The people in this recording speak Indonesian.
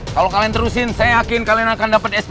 kalau kalian terusin saya yakin kalian akan dapat sp tiga